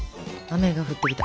雨が降ってきた。